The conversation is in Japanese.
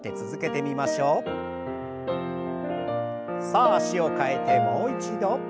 さあ脚を替えてもう一度。